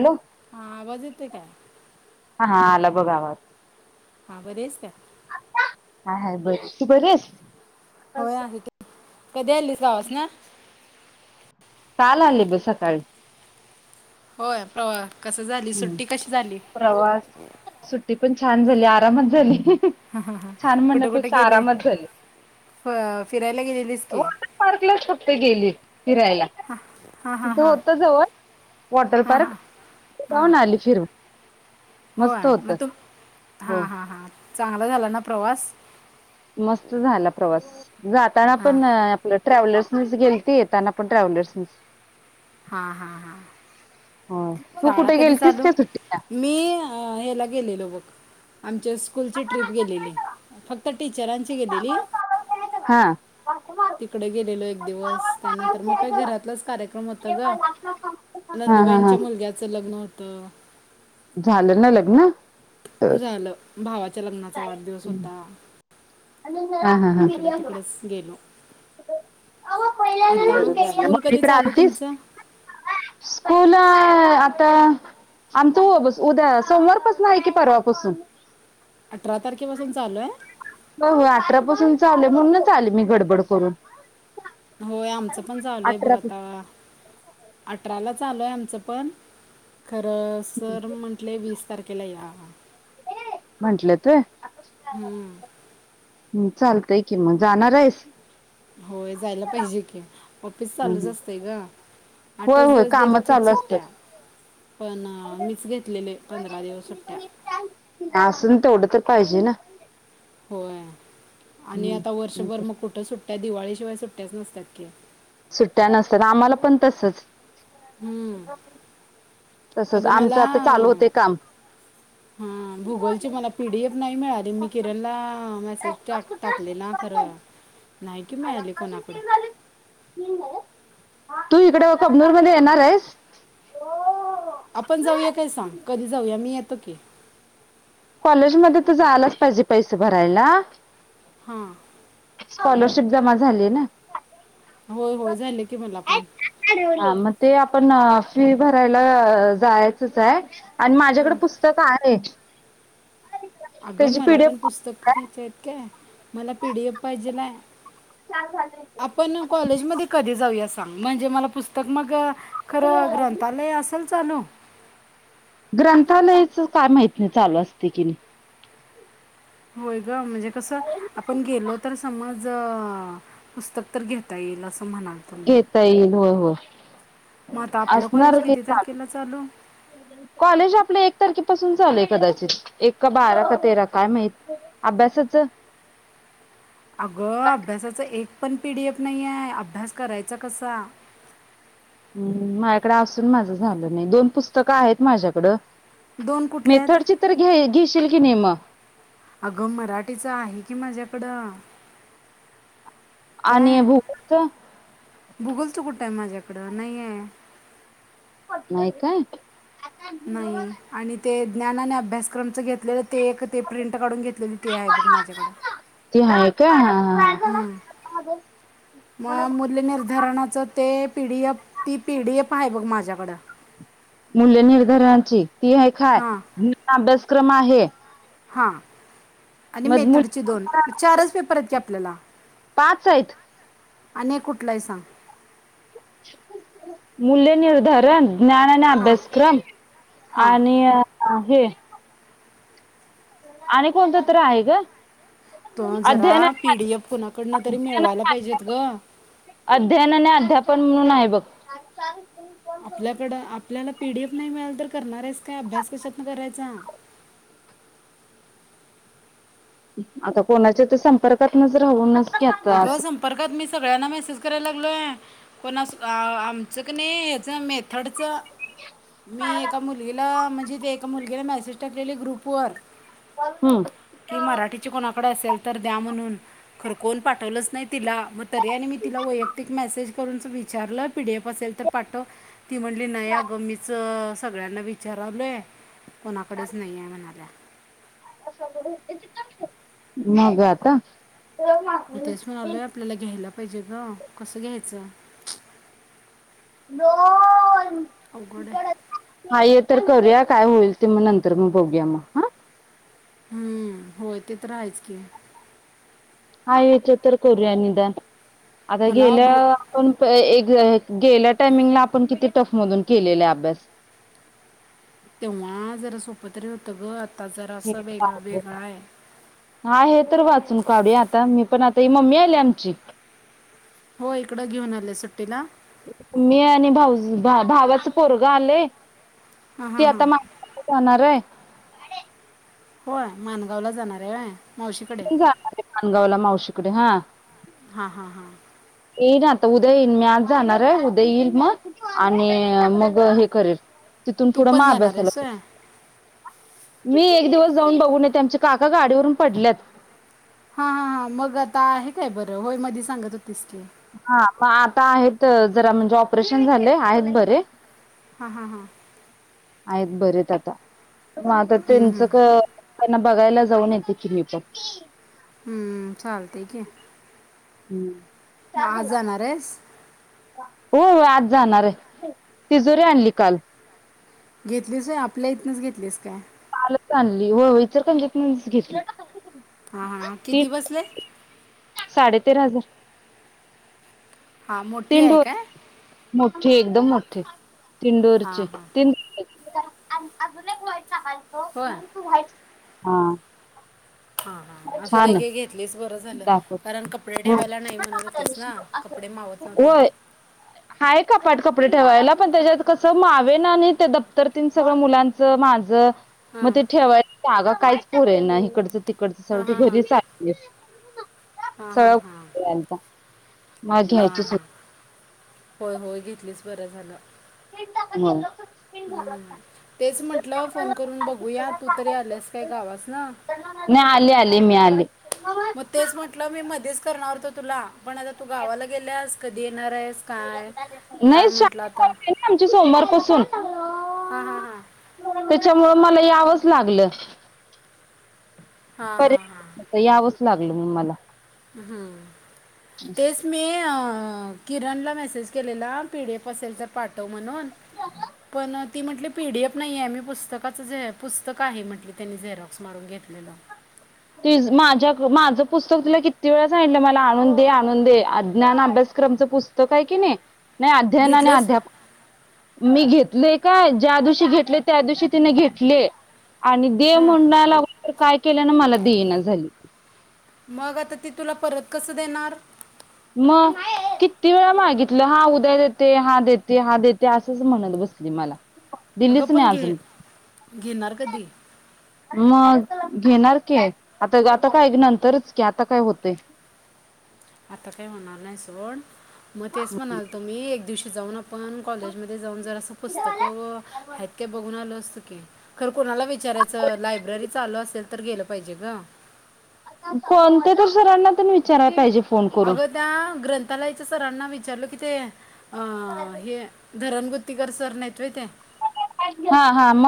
Hello हा आवाज येतोय काय? हा आला बाबा आवाज. हा बरीयेस काय? हा हाय बरी. तू बरियेस? होय आहे की. कधी आलीस गावासंन काल आली ब सकाळी. होय प्रवा कसं झाली? हम्म सुट्टी कशी झाली? प्रवास सुट्टी पण छान झाली. आरामात झाली. हं हं हं छान कुठ कुठे म्हणण्यापेक्षा गेले? आरामात झाली. हा फिरायला गेलेलीस की. वॉटर पार्कलाच फक्त गेली फिरायला हां हां तिथं हां होत जवळ वॉटर हां हां पार्क. हां जाऊन आली फिरुन. होय मस्त होत मग तुम हो हां हां हां चांगला झाला ना प्रवास. मस्त झाला प्रवास जाताना हां पण अं आपलं ट्रॅव्हलर्स तू गेलती येताना पण ट्रॅव्हलर्स ने हा हा हा हो तू शाळा कुठे कधी गेलतीस चालू का सुट्टीला? मी अं हेला गेलेलो बघ आमच्या स्कूलची ट्रीप गेलेली फक्त टीचरांची गेलेली हां तिकडे गेल्यालो बस त्यानंतर मग काय घरातलाच कार्य काम होतं ग हा हा हा नंदुबाईंच्या मुलग्याचं लग्न होतं झालं ना लग्न हा झालं भावाच्या लग्नाचा वाढदिवस होता आणि इकडं तिकडंच गेलो आता स्कूल [unintelligible] कधी इकडं चालू आणि तुमचं ती आता आमचं वो बस उद्या सोमवारपसनं आहे की परवापासून अठरा तारखेपासून चालू हाय हो अठरापासून चालू हाय म्हणूनच आले मी गडबड करून होय आमचं पण झालंय बघ अठरा आता अठराला चालू हाय आमचं पण खरं सर म्हंटले वीस तारखेला या म्हंटल्यात व्हय हम्म हम्म चालतयं की मग जाणार आहेस? होय जायला पाहिजे कि ऑफिस चालूच होय असतंय ग आठच होय दिवस देत काम होतेत चालू असतात सुट्ट्या पण मीच घेतलेले पंधरा दिवस सुट्ट्या असून तेवढं तर पाहिजे ना होय आणि आता हम्म वर्षभर मग कुठं सुट्ट्या दिवाळी शिवाय सुट्ट्याच नसतात [unintelligible] सुट्ट्या नसतात आम्हांला पण तसंच हम् तसच अगं आमचं मला आता चालू होते काम हां भूगोलची मला पीडीएफ नाही मिळाली मी किरण ला मेसेज टा टाकले ना खरं नाही की आरं मिळाली आत्ताशी कोणाकडं तीन झालेत तीन झाल्यात तू इकडे कबनूर मध्ये येणार आहेस. त की कॉलेजमध्ये तर जायलाच पाहिजे पैसे भरायला. हा स्कॉलरशिप जमा झाली ना होय होय झाले की मला पण हा मग ते आपण फी भरायला जायाचच आहे. आणि माझ्याकड पुस्तक आहे. अगं त्याची मला पण पीडीएफ पुस्तक घ्यायचे आहेत काय? मला पीडीएफ पाहिजेल हाय. आपण कॉलेज मध्ये कधी जाऊया? म्हणजे मला पुस्तक मग खरं ग्रंथालय असल. चालू ग्रंथालयाच काय माहतीनाहीचालू असतय की नाही होय ग म्हणजे कसं आपण गेलो तर समज त पुस्तक तर घेता येईल अस घेता येईल होय होय मग आता आपलं असणार कॉलेज ते किती चालू तारखेला कॉलेज आपलं एक तारखे पासून चालू हाय कदाचित एक का बारा काय तेरा काय माहित अभ्यासचं अगं अभ्यासाचं एक पण पीडीएफ नाही हाय अभ्यास करायचा कसा? हम् माझ्याकडे असून माझं झालं नाही दोन पुस्तकं आहेत माझ्याकडं दोन कुठल्या आहेत मेथडची तर घे घेशील की नाहीे मग अगं मराठीच आहे की माझ्याकडं आणि काय भूगोलच भुगोलचं कुठं आहे माझ्याकड ईकड नाही आहे. नाही काय? नाही आणि ते ज्ञान आणि अभ्यासक्रमच घेतलेलं ते एक ते प्रिंट काढून घेतलेली ते आहे बघं माझ्याकडं क्यां हम् मग मूल्य निर्धारणाच ते पीडीएफ ती पीडीएफ आहे बघ माझ्याकडं मूल्य निर्धारणाची ती एक हाय हां अन् अभ्यास क्रम आहे हां आणि मग मु मेथडचे दोन चारच पेपर आहेत आपल्याला पाच हायत आणि कुठलाही सांग? [unintelligible] मूल्य निर्धारण ज्ञान आणि हां अभ्यासक्रम हां आणि आहे आणि कोणतं तर आहे ग? तो जरा अध्ययन पी डी एफ अध्य कुणाकडनं तरी मिळवायला अ पाहिजेत ग अध्ययनने अध्यापन म्हणून आहे बघ आ चाल आपल्याकडं आपल्याला पीडीएफ नाही मिळाल तर करणार आहेस काय? अभ्यास कशातन करायचा? आता कोणाच्या ते संपर्कांतन राहूनच की आता अगं असं संपर्कात मी सगळ्यांना मेसेज करायला लागलोय कोण आमचं क नाही मे थडच मी एका मुलगीला [unintelligible] म्हणजे ते ए मुलगीला मेसेज टाकलेली ग्रुपवर हम्म. की मराठी च कोण थोडं असेल तर द्या म्हणून खर कोण पाठवलंच नाही तिला मग तरी आणि मी तिला वैयक्तिक मेसेज करूनच विचारलं पीडीएफ असेल तर पाठव ती म्हटली नाही अग मीच सगळ्यांना विचारालोय कोणाकडेच नाही हाय म्हणाल्या? [unintelligible] मग आता? मी तेच म्हणालोय आपल्याला घ्यायला पाहिजे ग कसं घ्यायचं? दोन अवघड तिकड आहे नाय येत तर करूया काय होईल? ते मग नंतर म बघूया मग ह? हम्म होय ते तर हायच की. हा याच्यात तर करूया निदान आता मला गेल्या भो आपण गेल्या टायमिंगला आपण किती? टफ मधून केलेला अभ्यास तेव्हा जरा सोपतरी होतं ग [unintelligible] हा हे तर वाचून काढूया आता मी पण आ ते मम्मी आलीय आमची. हो इकड घेऊन आले सुट्टीला. मी आणि भाऊ भावाच पोरग आलय हां ते हां हां आता [unintelligible] जाणारय होय माणगाव ला जाणारे होय मावशीकडे जाणार आहे माणगावला मावशी कडे हा हा हा हा येईन आता उद्या येईन मी आज जाणारे आहे उद्या येईल मग आणि मग हे करेल. तिथून तू पुढ पण मग जाणार अभ्यासाला आहेस होय मी एक दिवस जाऊन बघून येते आमचे काका गाडीवरून पडल्यात हा हा हा मग आता आहे काय बर होय मागे सांगत होतीस की हा म आता आहेत जरा म्हणजे ऑपरेशन झालय आहेत बरे हा हा हा आहेत बरेत आता मग आता त्यांच क ना बघायला जाऊन येतो की मी पण हम्म चालतय की. हम्म म आज जाणारेस? होय होय आज जाणारे तिजोरी आणली काल घेतलीस होय? आपल्या इथनच घेतलीस काय? चालली हो इचलकरंजीतनच घेतली. हा हा किती बसले? तेरा हजार हां मोठी आहे काय [unintelligible] मोठी आहे. द मोठे तीन हां डोअरचे हां तीन एक अजून एकय होय व्हायच [unintelligible] हा हा हा असू दे छान आहे घे घेतलीस ब बर झाल, दाखवत कारण कपडे हो ठेवायला नाही म्हणत होतीस ना. कपडे मावत नव्हतीत. होय हाय कपाट कपडे ठेवायला पण त्याच्यात कस मावेना नी ते दप्तर तेंन सगळ मुलांच माझ मग हां ते ठेवायला जागा काहीच पोरींना हिकडंच तिक [unintelligible] हा, हा, हा, मला हा, घ्यायचीच हा. होय, होय घे तेच बरं झालं. मगं हम्म तेच म्हंटलं फोन करून बघूया. तू तरी आल्यास काय गावासन. नाही आले [inaudible] मग तेच म्हंटलं मी मध्येच करणार होतो तुला. पण आता तू गावाला गेल्यास कधी? येणार आहेस काय काय नाही म्हटलं आता शाळा आमची सोमवारपासून हां हां हां ते त्याच्यामुळे मला यावंच लागल. हा, हा, हा लागल मग मला. हम्म तेचं मी अ किरण ला मेसेज केलेला पी डी एफ असेल तर पाठव. म्हणून पण ती म्हटली पी डी एफ नाही आहे मी पुस्तकाचं झ पुस्तक आहे म्हटले त्यांनी झेरॉक्स मारून घेतलेलं ती माझ्या माझं पुस्तक तीला किती वेळा सांगितल मला आणून दे, आणून दे ज्ञान अभ्यासक्रमचं पुस्तक आहे की नाही नाही अध्ययन आणि घेतलंस अध्यापक मी घेतलेय काय ज्या दिवशी घेतले त्या दिवशी तिने घेतली. आणि दे हां म्हनाय लागलोय तर काय केल्यान मला देई ना झाली. मग आता ती तुला परत कसं देणार? मग किती वेळा मागितलं. हा उद्या देते, हा देते, हा देते असंच म्हणत बसली मला. अगं दिलीच पण नाही घे अजून. घेणार कधी? मग घेणार की, आता आता काय नंतरच की आता काय होतय. आता काय होणार नाही सोड. मग तेच म्हणालतो मी एक दिव [unintelligible] आपण कॉलेजमध्ये जाऊन जर असं पुस्तकं आहेत का बघून आलो अस होय की खर कोणाला विचारायचं लायब्ररी चालू असेल तर गेलं पाहिजे ग. कोणत्या तर सरांना तेन विचारायला पाहिजे. फोन करून अग त्या् ग्रंथ कलाच्या इथं सराना विचारल कि ते अं हे धरमगुत्तीकर सर नाहीेत व्हय ते हा हा म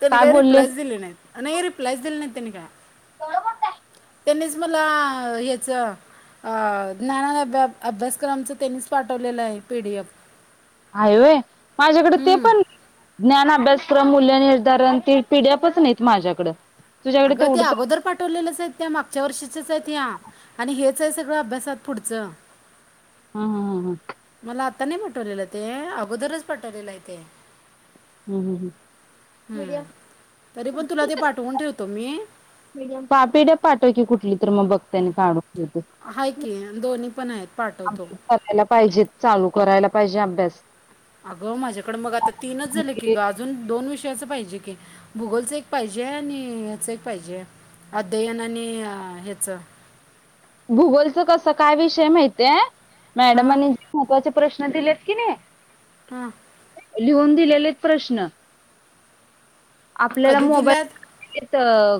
त्याने काही रिप्लायच दिली नाहीत नई रिप्लायाचं दिली नाहीत [inaudible] केवढ मोठ आहे. त्यांनीच मला ह्याचं अं ज्ञानाभ्या अभ्यासक्रमचं त्यानीच पाठवलेलं आहे पी डी एफ आहे होय माझ्याकड ते पण ज्ञान अभ्यास प्रमूल्यान निर्धारण ती पिडिएफ च नहीत माझ्याकड अगं ते अगोदर पाठवलेलच अहेत त्या मागच्या वर्षीचच आहेत ह्या आणि हे च सगळं अभ्यासात पुढचं हं हं हं हं आतानय पाटवलेलं ते अगोदरच पाटवलेलं आहे ते हूं हूं हूं हूं तरी पण तुला ते पाठवून ठेवतो मी पा पीडफ पाठव की कुठली? तर, मग बघते त्यानी काढून ठेवते. आहे की दोन्ही पण आहेत पाठवतो आमटी करायला पाहिजेत चालू करायला. पाहिजे, अभ्यास अगं माझ्याकड मग आता तीनच झाले की म्हणजे ग अजून दोन विष याच पाहिजे की भूगोलच एक पाहिजे आणि याच एक पाहिजे अध्ययन आणि आ हेच भूगोलचं कसं काय विषय माहितीय हां मॅडमांनी महत्वाचे प्रश् हा, दिलेत की, नई हं लिहून दिलेले प्रश्न आपल्याला कधी दिल्यात मोबाई त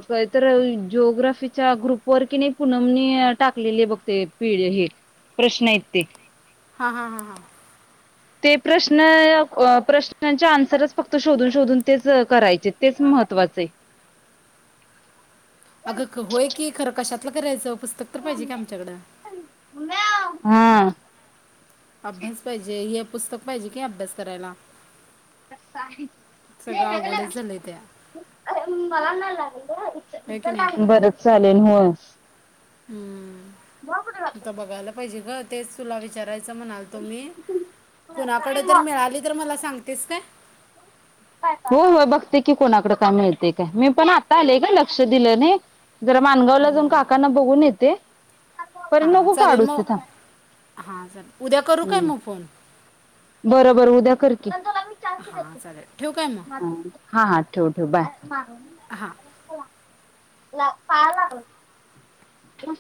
कायतर जिओग्राफीच्या ग्रुप वर कि नई पुनमनी टाकलेली आहे बघते पिढ हे प्रश्न येत ते हा हा हा हा ते प्रश्न प्रश्नाच्या आन्सरच फक्त शोधून शोधून तेच करायचे तेच महत्त्वाचय अगं होय, की खरं कशात [unintelligible] हा अभ्यास पाहिजे, हे पुस्तक पाहिजे की अभ्यास करायला. साहित. सगळं अवघडच झालंय त्या मला नाही होय की नाही बरं चालेल हं हम्म आता बघायला पाहिजे तेच तुला विचाराय असं म्हणाल तो मी कुणा कड तरी मिळाली तर मला सांग दिसतयं हो हो बघते की कोणाकडे काय मिळते काय मी पण आता आलेय का लक्ष दिलं नाही जरा मानगावला जाऊन काकांना बघून येते पर हा नको चालेल काढूच ते मग थांब हा चालेल उद्या करू काय मग फोन? बर बर उद्या कर की चल तुला मी चान्स हां चालेल ठेवू काय मग देतो हा ठेव ठेव बाय हां ला पायाला लागल